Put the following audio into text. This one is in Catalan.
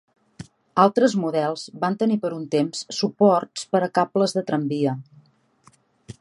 Altres models van tenir per un temps suports per a cables de tramvia.